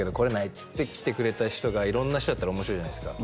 っつって来てくれた人が色んな人だったら面白いじゃないですか